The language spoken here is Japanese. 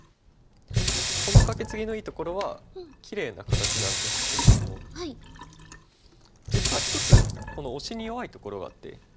このカケツギのいいところはきれいな形なんですけれども実は１つこのオシに弱いところがあって。